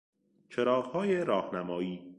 چراغهای راهنمایی